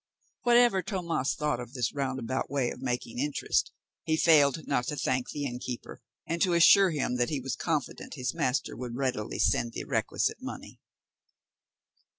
Whatever Tomas thought of this roundabout way of making interest, he failed not to thank the innkeeper, and to assure him that he was confident his master would readily send the requisite money.